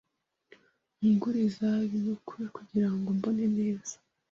Unguriza binokula kugirango mbone neza.